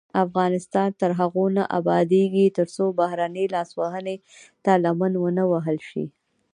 افغانستان تر هغو نه ابادیږي، ترڅو بهرنۍ لاسوهنې ته لمن ونه وهل شي.